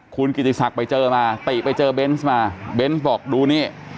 คุณกิติศักดิ์ไปเจอมาติไปเจอเบนส์มาเบนส์บอกดูนี่